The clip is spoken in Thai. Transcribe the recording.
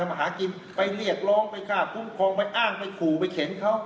มาหากินไปเรียกร้องไปฆ่าคุ้มครองไปอ้างไปขู่ไปเข็นเขา